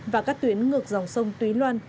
và các tuyến ngược dòng sông tuy loan